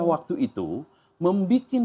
waktu itu membuat